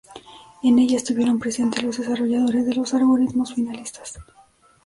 En ella estuvieron presentes los desarrolladores de los algoritmos finalistas.